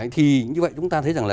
thì như vậy chúng ta thấy rằng là